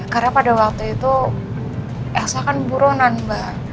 karena pada waktu itu elsa kan buronan mbak